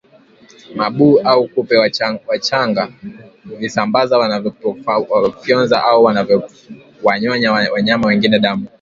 mabuu au kupe wachanga huvisambaza wanapowafyonza au wanapowanyonya wanyama wengine damu